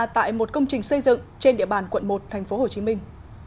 tại một công trình xây dựng trên địa bàn quận một thành phố hồ chí minh